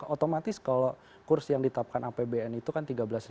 otomatis kalau kursi yang ditetapkan apbn itu kan tiga belas lima ratus